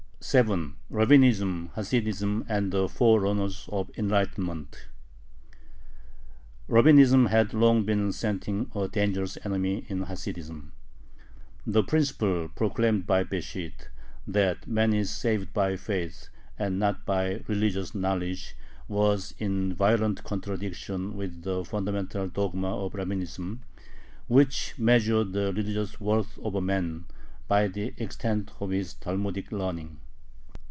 7. RABBINISM, HASIDISM, AND THE FORERUNNERS OF ENLIGHTENMENT Rabbinism had long been scenting a dangerous enemy in Hasidism. The principle proclaimed by Besht, that man is saved by faith and not by religious knowledge, was in violent contradiction with the fundamental dogma of Rabbinism, which measured the religious worth of a man by the extent of his Talmudic learning.